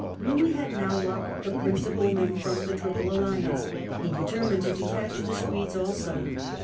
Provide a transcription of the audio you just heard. Louis had now lopped the principal limb from the Triple Alliance ; he determined to detach the Swedes also.